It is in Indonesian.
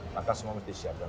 maka semua mesti disiapkan